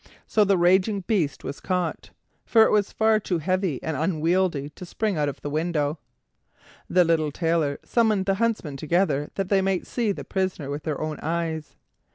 So the raging beast was caught, for it was far too heavy and unwieldy to spring out of the window. The little Tailor summoned the huntsmen together, that they might see the Prisoner with their own eyes.